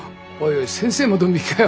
おい先生もドン引きかよ。